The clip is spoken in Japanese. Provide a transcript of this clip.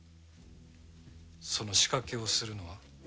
その仕掛けをするのは？